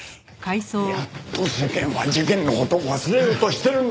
やっと世間は事件の事を忘れようとしてるんだ。